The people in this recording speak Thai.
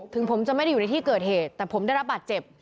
ถึงผมจะไม่ได้อยู่ในที่เกิดเหตุแต่ผมได้รับบาดเจ็บ